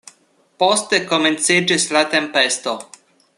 Poste komenciĝis la tempesto.